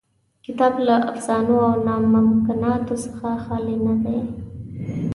کتاب له افسانو او ناممکناتو څخه خالي نه دی.